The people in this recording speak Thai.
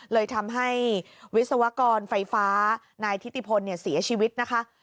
เลยทำให้วิศวกรไฟฟ้านายทิติพลเสียชีวิตนะคะ